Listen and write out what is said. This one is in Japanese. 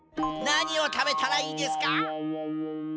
なにをたべたらいいですか？